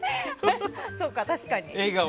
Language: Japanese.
そうか確かに。